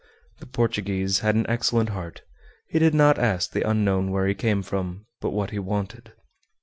The Portuguese had an excellent heart; he did not ask the unknown where he came from, but what he wanted.